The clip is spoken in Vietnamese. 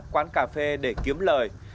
quán cà phê để kiếm lời